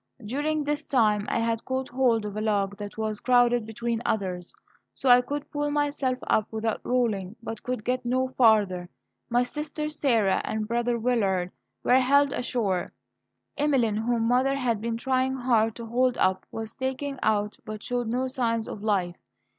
During this time I had caught hold of a log that was crowded between others, so I could pull myself up without rolling, but could get no farther. My sister Sarah and brother Willard were helped ashore. Emeline, whom mother had been trying hard to hold up, was taken out, but showed no signs of life.